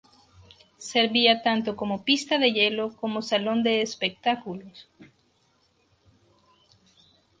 Servía tanto como pista de hielo como salón de espectáculos.